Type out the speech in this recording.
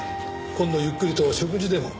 今度ゆっくりと食事でも。